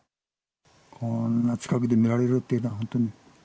こんな近くで見られるっていうのは、本当に。